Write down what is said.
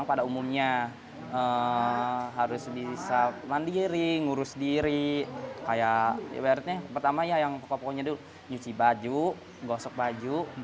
kayak berarti pertama ya yang pokok pokoknya itu nyuci baju gosok baju